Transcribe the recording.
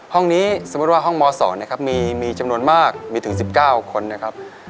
ห้องนี้สมมุติว่าห้องม๒นะครับมีจำนวนมากมีถึง๑๙คนนะครับ